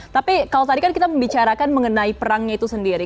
tapi kalau tadi kan kita membicarakan mengenai perangnya itu sendiri